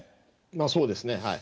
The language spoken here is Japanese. そうですね。